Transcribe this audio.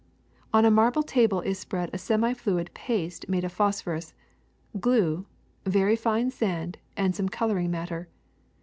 On a marble table is spread a semi fluid paste made of phosphorus, glue, very fine sand, and some coloring matter.